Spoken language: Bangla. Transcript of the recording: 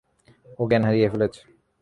ও জ্ঞান হারিয়ে ফেলেছে।